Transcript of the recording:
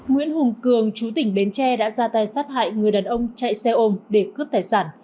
nguyễn hùng cường chú tỉnh bến tre đã ra tay sát hại người đàn ông chạy xe ôm để cướp tài sản